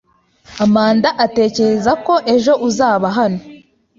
Amanda atekereza ko ejo uzaba hano.